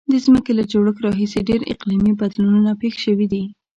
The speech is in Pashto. د ځمکې له جوړښت راهیسې ډیر اقلیمي بدلونونه پیښ شوي دي.